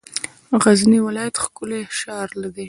غزنی ولایت ښکلی شار دی.